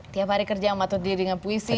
tiap hari kerja mematut diri dengan puisi